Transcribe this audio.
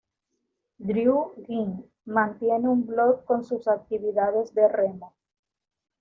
Drew Ginn mantiene un blog con sus actividades de remo.